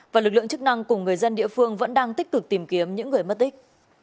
và lực lượng chức năng cùng người dân địa phương vẫn đang tích cực tìm kiếm những người mất tích